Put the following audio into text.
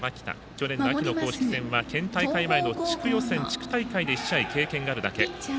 去年の秋の公式戦は県大会前の地区予選、地区大会で１試合経験があるだけ。